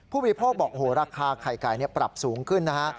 ผู้บริโภคบอกราคาไข่ไก่ปรับสูงขึ้นนะฮะ